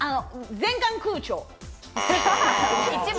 全館空調。